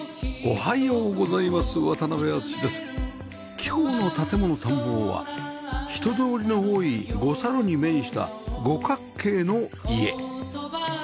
今日の『建もの探訪』は人通りの多い五差路に面した五角形の家